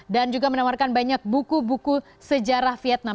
dan juga menawarkan banyak buku buku sejarah vietnam